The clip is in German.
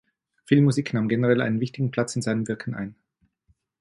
Filmmusik nahm generell einen wichtigen Platz in seinem Wirken ein.